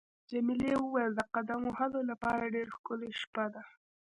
جميلې وويل: د قدم وهلو لپاره ډېره ښکلې شپه ده.